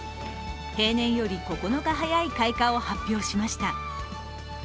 平年より９日早い開花を発表しました。